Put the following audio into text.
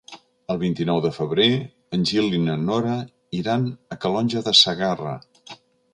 El vint-i-nou de febrer en Gil i na Nora iran a Calonge de Segarra.